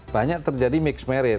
banyak terjadi mix married